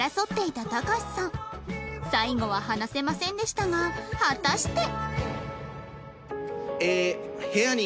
最後は話せませんでしたが果たして